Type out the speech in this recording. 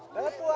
betul anak soleh